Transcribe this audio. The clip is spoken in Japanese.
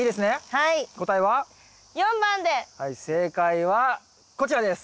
はい正解はこちらです！